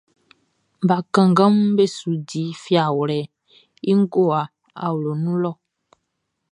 Bakannganʼm be su di fiawlɛʼn i ngowa awloʼn nun lɔ.